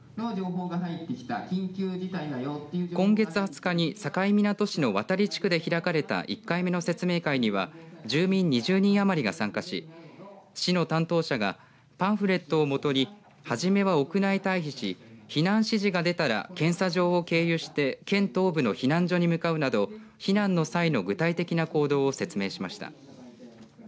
今月２０日に境港市の渡地区で開かれた１回目の説明会には住民２０人余りが参加し市の担当者がパンフレットを基に初めは屋内退避し避難指示が出たら検査場を経由して県東部の避難所に向かうなど避難の際の具体的な行動を説明しました。